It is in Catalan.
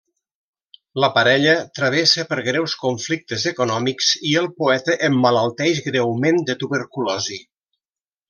La parella travessa per greus conflictes econòmics i el poeta emmalalteix greument de tuberculosi.